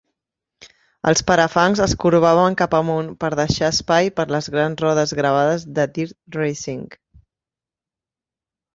Els parafangs es corbaven cap amunt per deixar espai per les grans rodes gravades de dirt-racing.